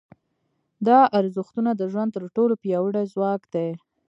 دا ارزښتونه د ژوند تر ټولو پیاوړي ځواک دي.